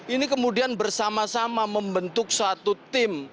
ini kemudian bersama sama membentuk suatu tim